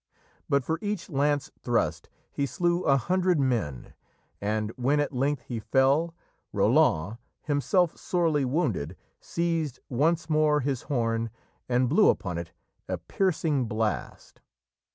But for each lance thrust he slew a hundred men, and when at length he fell, Roland, himself sorely wounded, seized once more his horn and blew upon it a piercing blast